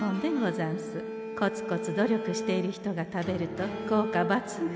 コツコツ努力している人が食べると効果抜群！